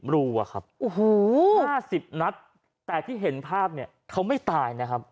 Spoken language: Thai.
รูอะครับ๕๐นัดแต่ที่เห็นภาพเนี่ยเขาไม่ตายนะครับ